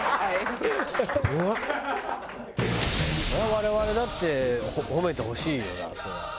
我々だって褒めてほしいよなそりゃ。